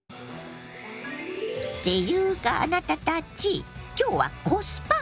ていうかあなたたち今日は「コスパ」おかずよ。